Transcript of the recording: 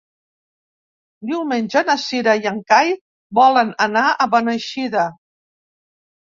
Diumenge na Cira i en Cai volen anar a Beneixida.